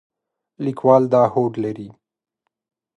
لیکوال دا هوډ لري.